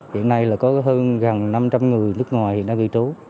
hiện nay là có hơn gần năm trăm linh người nước ngoài đã ghi trú